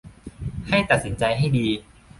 ให้ตัดสินใจให้ดี